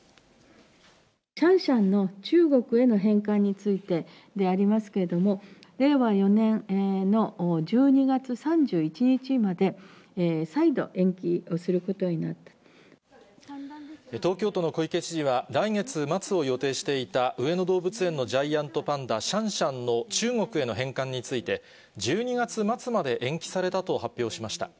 シャンシャンの中国への返還についてでありますけれども、令和４年の１２月３１日まで、東京都の小池知事は、来月末を予定していた上野動物園のジャイアントパンダ、シャンシャンの中国への返還について、１２月末まで延期されたと発表しました。